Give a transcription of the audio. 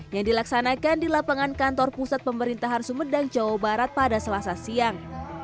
yang dilaksanakan di lapangan kantor pusat pemerintahan sumedang jawa barat pada selasa siang